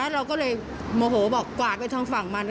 เราก็เลยโมโหบอกกวาดไปทางฝั่งมัน